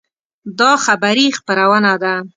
دا خبري خپرونه ده